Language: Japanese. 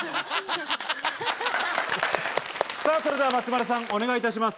それでは松丸さんお願いします。